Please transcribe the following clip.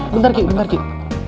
bentar bentar kiki